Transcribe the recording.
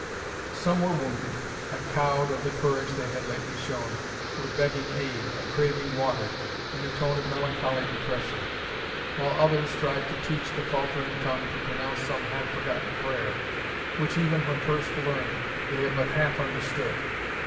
Some were wounded, and, cowed of the courage they had lately shown, were begging aid, and craving water, in a tone of melancholy depression, while others tried to teach the faltering tongue to pronounce some half forgotten prayer, which, even when first learned, they had but half understood.